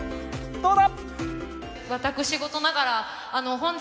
どうだ！